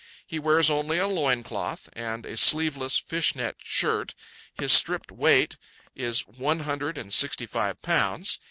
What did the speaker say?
He wears only a loin cloth and a sleeveless fish net shirt. His stripped weight is one hundred and sixty five pounds.